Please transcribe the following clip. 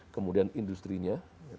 kemudian industri nya